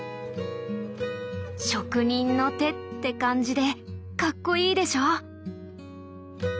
「職人の手」って感じでかっこいいでしょ。